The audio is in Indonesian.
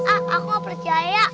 ah aku gak percaya